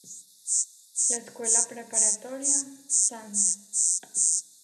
La escuela preparatoria St.